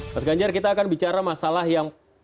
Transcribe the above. mas ganjar kita akan bicara masalah yang